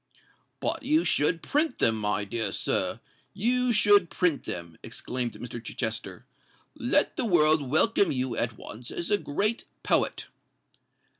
"But you should print them, my dear sir—you should print them," exclaimed Mr. Chichester. "Let the world welcome you at once as a great poet."